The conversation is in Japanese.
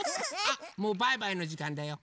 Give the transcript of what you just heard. あっもうバイバイのじかんだよ。